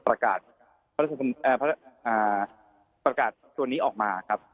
ประกาศส่วนนี้ออกมาครับ